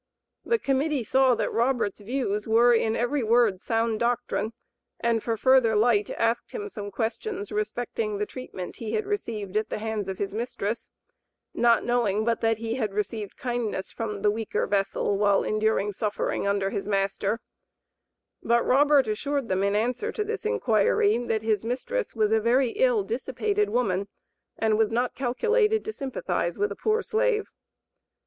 The Committee saw that Robert's views were in every word sound doctrine, and for further light asked him some questions respecting the treatment he had received at the hands of his mistress, not knowing but that he had received kindness from the "weaker vessel;" while enduring suffering under his master; but Robert assured them in answer to this inquiry that his mistress was a very "ill, dissipated woman," and "was not calculated to sympathize with a poor slave."